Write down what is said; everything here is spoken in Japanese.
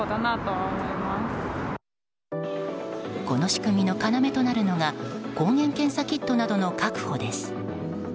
この仕組みの要となるのが抗原検査キットなどの確保です。